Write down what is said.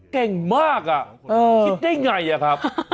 เก่งมากอ่ะคิดได้ไงอะครับ